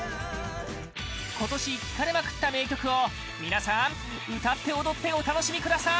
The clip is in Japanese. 今年聴かれまくった名曲を皆さん、歌って踊ってお楽しみください！